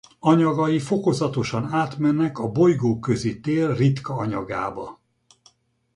Anyagai fokozatosan átmennek a bolygóközi tér ritka anyagába.